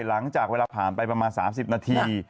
หลังจากเวลาผ่านไปประมาณ๓๐นาที